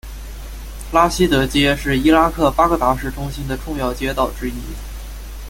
拉希德街是伊拉克巴格达市中心的重要街道之一。